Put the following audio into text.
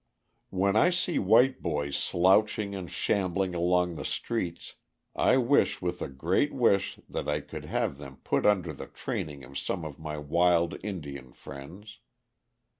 When I see white boys slouching and shambling along the streets I wish with a great wish that I could have them put under the training of some of my wild Indian friends.